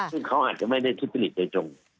ซึ่งเขาอาจจะไม่ได้ถูกปริศน์ใจจง